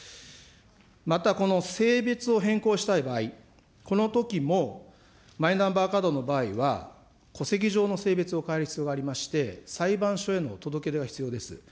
またこの性別を変更したい場合、このときもマイナンバーカードの場合は、戸籍上の性別を変える必要がありまして、裁判所への届け出が必要です。